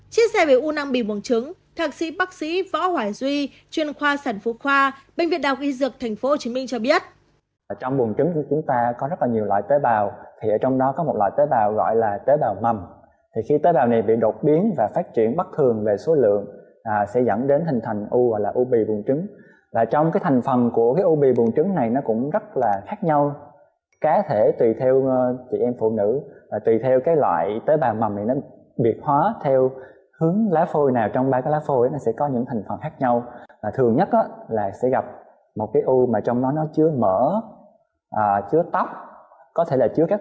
chia sẻ về u năng vì buồng chứng thạc sĩ bác sĩ võ hỏa duy chuyên khoa sản phú khoa bệnh viện đào ghi dược tp hcm cho biết